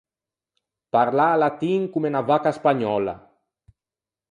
Parlâ latin comme unna vacca spagnòlla.